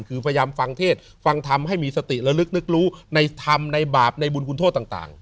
คือพยายามฟังเทศฟังธรรมให้มีสติระลึกนึกรู้ในธรรมในบาปในบุญคุณโทษต่าง